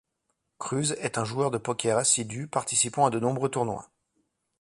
Kruse est un joueur de poker assidu, participant à de nombreux tournois.